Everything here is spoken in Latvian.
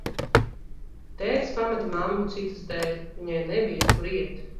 Tētis pameta mammu citas dēļ, viņai nebija, kur iet.